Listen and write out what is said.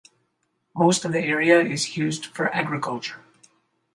Most of the area is used for agriculture.